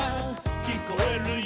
「きこえるよ」